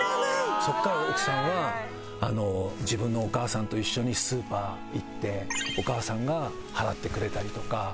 そこから奥さんは自分のお母さんと一緒にスーパー行ってお母さんが払ってくれたりとかそういう。